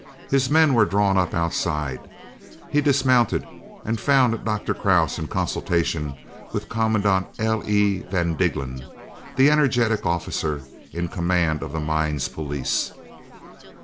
His men were drawn up outside; he dismounted and found Dr. Krause in consultation with Commandant L.E. van Diggelen, the energetic officer in command of the Mines Police.